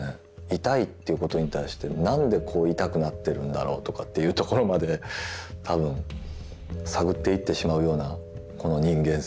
「痛い」ということに対して何でこう痛くなってるんだろうとかというところまで多分探っていってしまうようなこの人間性。